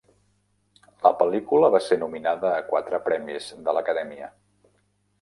La pel·lícula va ser nominada a quatre premis de l'Acadèmia.